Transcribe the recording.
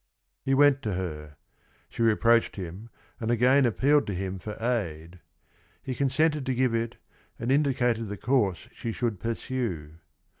He went to her : she reproached him and again appealed to him for aid. He consented to give it and indicated the course she should pursue.